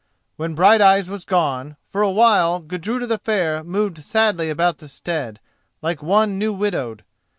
When Brighteyes was gone, for a while Gudruda the Fair moved sadly about the stead, like one new widowed.